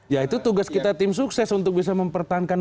ya itu tugas kita tim sukses untuk bisa mempertahankan